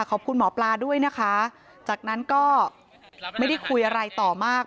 ขอบคุณหมอปลาด้วยนะคะจากนั้นก็ไม่ได้คุยอะไรต่อมาก